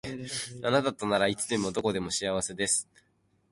あなたとならいつでもどこでも幸せです